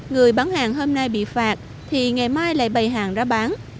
người bán hàng hôm nay bị phạt thì ngày mai lại bày hàng ra bán